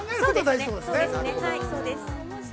◆はい、そうです。